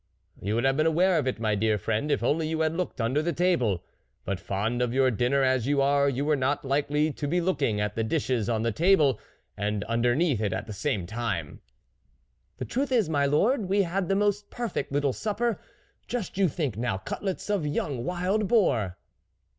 44 You would have been aware of it, my dear friend, if only you had looked under the table ; but, fond of your dinner as you are, you were not likely to be look ing at the dishes on the table and under neath it at the same time." 44 The truth is, my lord, we had the most perfect little supper ! just you think now cutlets of young wild boar